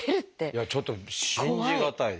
いやちょっと信じ難い。